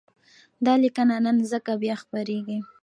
دا لیکنه نن ځکه بیا خپرېږي،